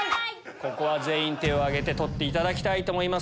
ここは全員手を挙げて取っていただきたいと思います。